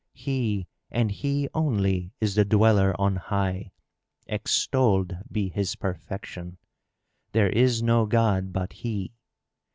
He, and He only, is the Dweller on high. Extolled be His perfection! There is no god but He!"